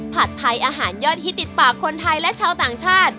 ผัดไทยอาหารยอดฮิตติดปากคนไทยและชาวต่างชาติ